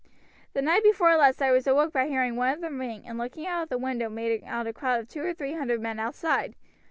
The night before last I was awoke by hearing one of them ring, and looking out of the window made out a crowd of two or three hundred men outside.